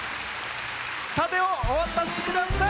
盾をお渡しください。